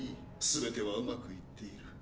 全てはうまくいっている。